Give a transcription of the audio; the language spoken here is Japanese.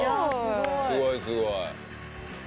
すごいすごい。